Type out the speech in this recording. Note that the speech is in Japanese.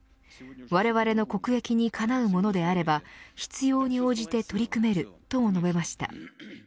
われわれの国益にかなうものであれは必要に応じて取り組めるとも述べました。